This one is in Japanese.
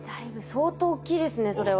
相当大きいですねそれは。